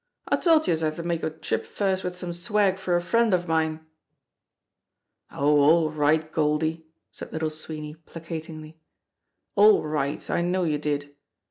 I told youse I had to make a trip first with some swag for a friend of mine." "Oh, all right, Goldie!" said Little Sweeney placatingly. "All right! I know you did.